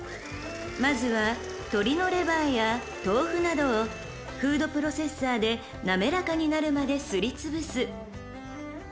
［まずは鶏のレバーや豆腐などをフードプロセッサーで滑らかになるまですりつぶす］